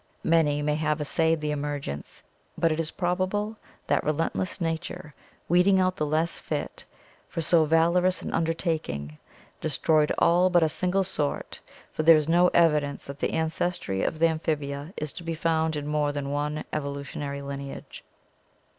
Many may have essayed the emergence, but it is probable that relentless nature, weeding out the less fit for so valorous an undertaking, destroyed all but a single sort, for there is no evidence that the ancestry of the amphibia is to be found in more than one evolutionary lineage.